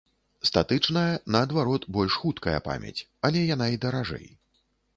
Статычная, наадварот, больш хуткая памяць, яле яна і даражэй.